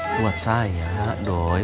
buat saya doi